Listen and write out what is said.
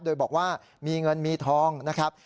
โดยบอกว่ามีเงินมีทองนะครับ